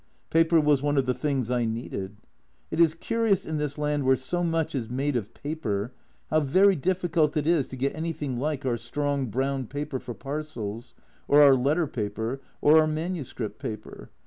Paper was one of the things I needed. It is curious, in this land where so much is made of paper, how very difficult it is to get anything like our strong brown paper for parcels, or our letter paper, or our manuscript paper.